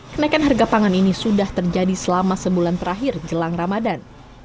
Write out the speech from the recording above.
kenaikan harga pangan ini sudah terjadi selama sebulan terakhir jelang ramadan